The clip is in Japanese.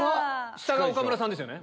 下が岡村さんですよね？